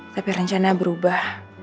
tapi rencana berubah